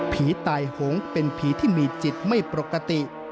ตายหงเป็นผีที่มีจิตไม่ปกติ